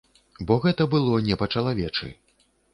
Бо гэта было не па-чалавечы.